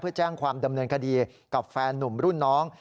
เพื่อแจ้งความดำเนินคดีกับแฟนหนุ่มรุ่นน้อง